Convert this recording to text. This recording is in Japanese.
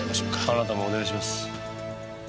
あなたもお願いします。